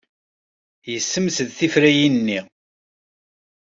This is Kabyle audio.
Yessemsed tiferyin-nni.